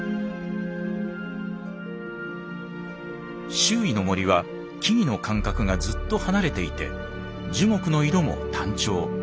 周囲の森は木々の間隔がずっと離れていて樹木の色も単調。